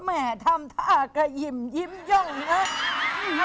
แม่ทำท่าก็ยิ้มย่องนะ